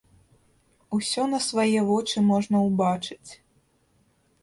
Усё на свае вочы можна ўбачыць.